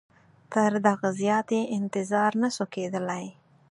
تر دغه زیات یې انتظار نه سو کېدلای.